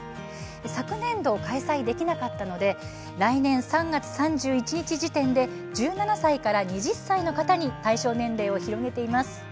昨年度、開催できなかったので来年３月３１日時点で１７歳から２０歳の方に対象年齢を広げています。